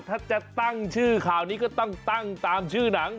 ถ้าจะตั้งชื่อข่าวนี้ก็ต้องตั้งตามชื่อหนัง